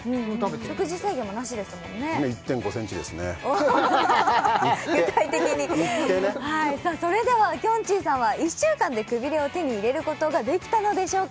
食事制限もなしですもんね１．５センチですねいっていってねお具体的にそれではきょんちぃさんは１週間でくびれを手に入れることができたのでしょうか？